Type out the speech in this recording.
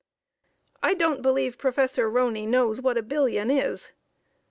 I don't believe Prof. Roney knows what a billion is.